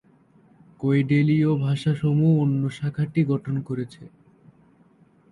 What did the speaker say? গইডেলীয় ভাষাসমূহ অন্য শাখাটি গঠন করেছে।